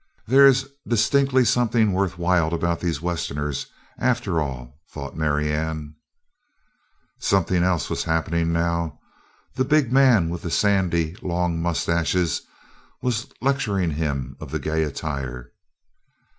"There is distinctly something worth while about these Westerners, after all," thought Marianne. Something else was happening now. The big man with the sandy, long moustaches was lecturing him of the gay attire.